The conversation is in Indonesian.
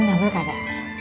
nggak ada cabenya mak